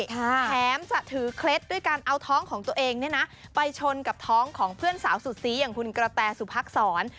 แถมจะถือเคล็ดด้วยการเอาท้องของตัวเองเนี่ยนะไปชนกับท้องของเพื่อนสาวสุดซีอย่างคุณกระแตสุพักษร